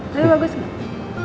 tapi bagus gak